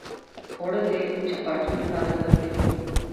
اوړه د چپاتي لپاره ضروري دي